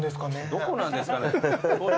どこなんですかね。